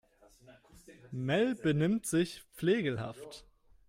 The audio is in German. Mel benimmt sich flegelhaft.